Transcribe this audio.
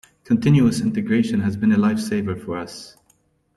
Continuous Integration has been a lifesaver for us.